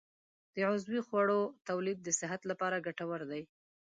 د عضوي خوړو تولید د صحت لپاره ګټور دی.